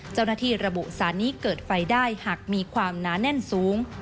เจ้าหน้าที่ระบุสารนี้เกิดไฟได้หากมีความหนาแน่นสูง